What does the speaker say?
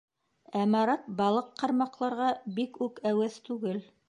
Ә Марат балыҡ ҡармаҡларға бик үк әүәҫ түгел.